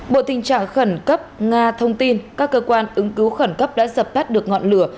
bộ tình trạng khẩn cấp nga thông tin các cơ quan ứng cứu khẩn cấp đã dập tắt được ngọn lửa